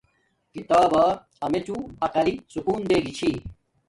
کتابا امیڎو عقلی سکون دے گی چھی